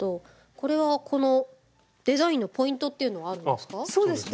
これはこのデザインのポイントっていうのはあるんですか？